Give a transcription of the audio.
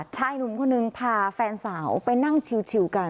ชายหนุ่มคนหนึ่งพาแฟนสาวไปนั่งชิวกัน